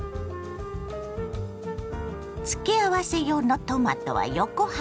付け合わせ用のトマトは横半分に。